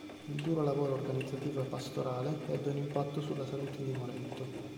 Il duro lavoro organizzativo e pastorale ebbe un impatto sulla salute di Moretto.